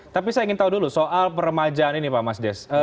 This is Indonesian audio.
tapi saya ingin tahu dulu soal peremajaan ini pak mas des